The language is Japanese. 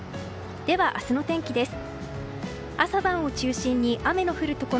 では、明日の天気です。